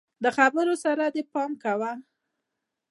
د خبرو سره دي پام کوه!